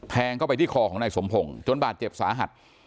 เข้าไปที่คอของนายสมพงศ์จนบาดเจ็บสาหัส